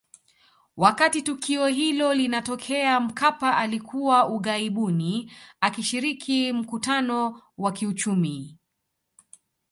Wakati tukio hilo linatokea Mkapa alikuwa ughaibuni akishiriki mkutano wa kiuchumi